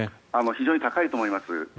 非常に高いと思います。